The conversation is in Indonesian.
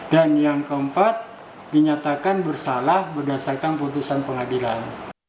dan yang keempat dinyatakan bersalah berdasarkan keputusan pengadilan